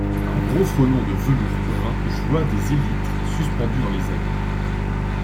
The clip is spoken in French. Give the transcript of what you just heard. Un gros frelon de velours brun joua des élytres, suspendu dans l'air.